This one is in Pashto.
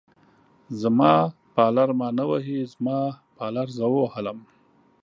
زما پالر ما نه وهي، زما پالر زه ووهلم.